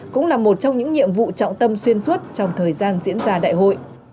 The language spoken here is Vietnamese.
cũng là một trong những nhiệm vụ trọng tâm xuyên suốt trong thời gian diễn ra đại hội